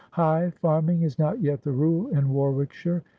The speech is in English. High farming is not yet the rule in Warwickshire.